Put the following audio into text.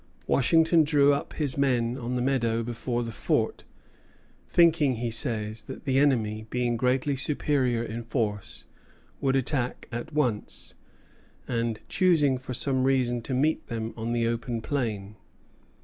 Washington drew up his men on the meadow before the fort, thinking, he says, that the enemy, being greatly superior in force, would attack at once; and choosing for some reason to meet them on the open plain.